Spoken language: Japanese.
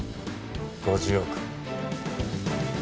５０億